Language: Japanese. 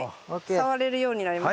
触れるようになりました。